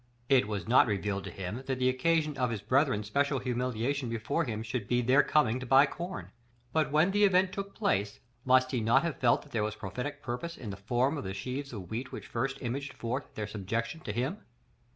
It was not revealed to him that the occasion of his brethren's special humiliation before him should be their coming to buy corn; but when the event took place, must he not have felt that there was prophetic purpose in the form of the sheaves of wheat which first imaged forth their subjection to him?